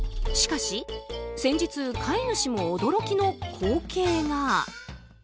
しかし先日飼い主も驚きの光景が。